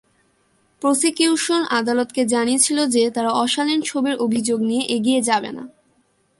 Prosecution আদালতকে জানিয়েছিল যে তারা অশালীন ছবির অভিযোগ নিয়ে এগিয়ে যাবে না।